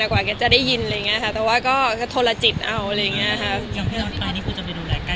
คุณจะไปดูแลใกล้ชิดเลยไหมครับ